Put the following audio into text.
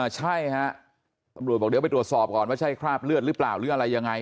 ใช่ฮะตำรวจบอกเดี๋ยวไปตรวจสอบก่อนว่าใช่คราบเลือดหรือเปล่าหรืออะไรยังไง